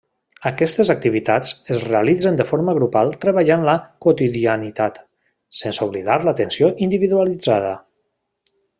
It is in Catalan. Aquestes activitats es realitzen de forma grupal treballant la quotidianitat, sense oblidar l'atenció individualitzada.